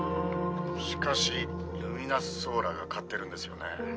「しかしルミナスソーラーが買ってるんですよね」